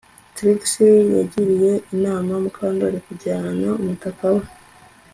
Trix yagiriye inama Mukandoli kujyana umutaka we